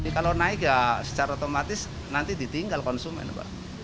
kalau naik ya secara otomatis nanti ditinggal konsumen pak